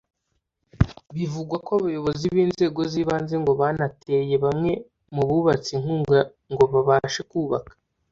Bivugwa ko abayobozi b’inzego z’ ibanze ngo banateye bamwe mu bubatse inkunga ngo babashe kubaka